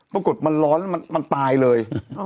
ปรากฏมันร้อนแล้วมันตายเลย